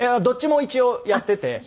どっちも一応やってて。